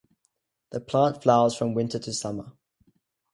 The plant flowers from winter to summer.